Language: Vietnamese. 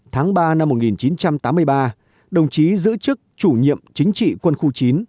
tháng ba năm một nghìn chín trăm tám mươi ba đồng chí giữ chức chủ nhiệm chính trị quân khu chín